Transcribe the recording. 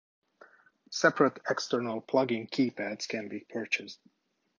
Separate external plug-in keypads can be purchased.